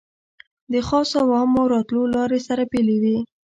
د خاصو او عامو راتلو لارې سره بېلې وې.